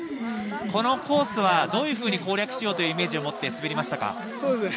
このコースはどういうふうに攻略しようというイメージを持って滑りましたか。